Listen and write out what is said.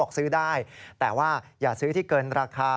ซื้อได้แต่ว่าอย่าซื้อที่เกินราคา